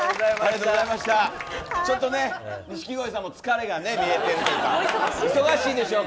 ちょっと錦鯉さんも疲れが見えているというか。